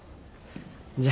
じゃあ。